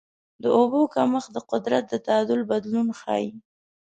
د اوبو کمښت د قدرت د تعادل بدلون ښيي.